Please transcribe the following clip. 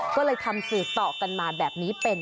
ก็เลยทำสืบต่อกันมาแบบนี้เป็น